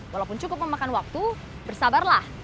walaupun cukup memakan waktu bersabarlah